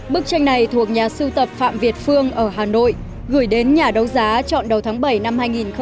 bức tranh này thuộc nhà sưu tập phạm việt phương ở hà nội gửi đến nhà đấu giá chọn đầu tháng bảy năm hai nghìn một mươi chín